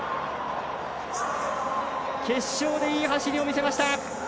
決勝でいい走りを見せました。